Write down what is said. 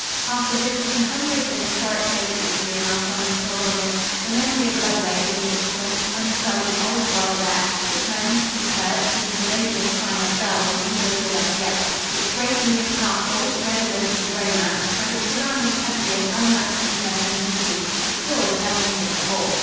After visiting hundreds of historic places during our summer's pilgrimage, the memory of Ludlow, with its quaint, unsullied, old world air, its magnificent church, whose melodious chime of bells lingers with us yet, its great ruined castle, redolent with romance, and its surrounding country of unmatched interest and beauty, is still the pleasantest of all.